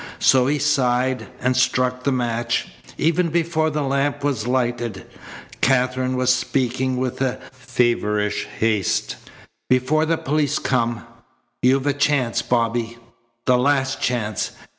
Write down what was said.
So he sighed and struck the match. Even before the lamp was lighted Katherine was speaking with a feverish haste: "Before the police come you've a chance, Bobby the last chance.